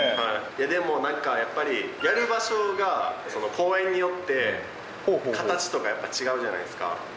でも、なんかやっぱり、やる場所が公園によって形とかやっぱ違うじゃないですか。